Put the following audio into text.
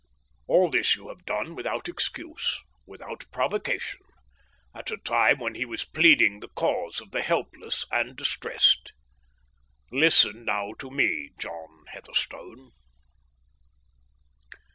All this you have done without excuse, without provocation, at a time when he was pleading the cause of the helpless and distressed. Listen now to me, John Heatherstone.